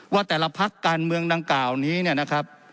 ว่าแต่ละพักการเมืองดังกล่าวนี้เนี่ยนะครับ